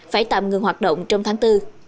phải tạm ngừng hoạt động trong tháng bốn